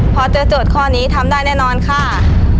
พอเจอโจทย์ข้อนี้ทำได้แน่นอนค่ะ